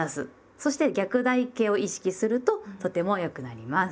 そして逆台形を意識するととても良くなります。